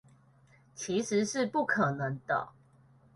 其實是不可能的